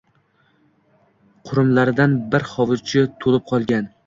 Qurumlaridan bir hovuchi to’lib qolgan